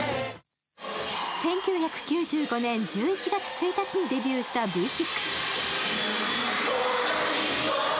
１９９５年１１月１日にデビューしたＶ６。